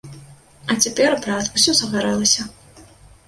А цяпер, брат, усё загарэлася.